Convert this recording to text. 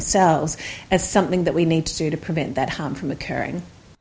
ini adalah sesuatu yang perlu kita lakukan untuk memastikan alasan tersebut berulang